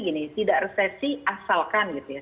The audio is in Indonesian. gini tidak resesi asalkan